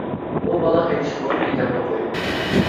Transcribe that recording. ئۇ بالا ھېچ ئىش بولمىدى دەپلا قويۇپتۇ.